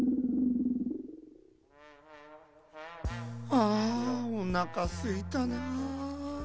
ああおなかすいたなあ。